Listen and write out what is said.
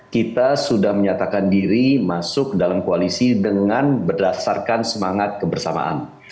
kita sudah menyatakan diri masuk dalam koalisi dengan berdasarkan semangat kebersamaan